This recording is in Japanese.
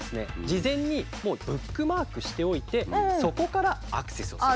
事前にもうブックマークしておいてそこからアクセスをする。